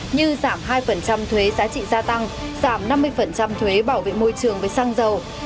như giảm hai thuế giá trị gia tăng giảm năm mươi thuế bảo vệ môi trường với xăng dầu